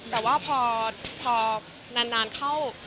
แต่ว่าพอนานเข้า